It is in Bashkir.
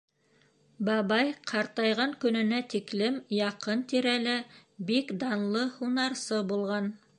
Бабай ҡартайған көнөнә тиклем яҡын-тирәлә бик данлы һунарсы булған.